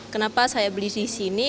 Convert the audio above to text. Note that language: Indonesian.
kenapa saya beli disini